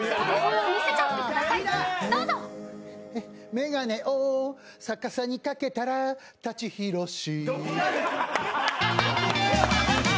眼鏡を逆さにかけたら舘ひろし。